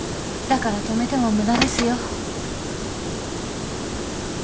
だから止めても無駄ですよ。